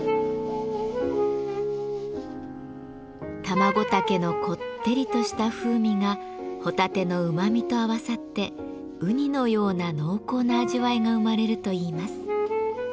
タマゴタケのこってりとした風味がホタテのうまみと合わさってウニのような濃厚な味わいが生まれるといいます。